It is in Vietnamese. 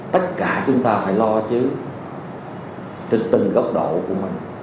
tất cả chúng ta phải lo chứ từng góc độ của mình